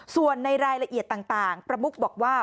ส่วนในรายละเอียดต่างประมุกบอกว่า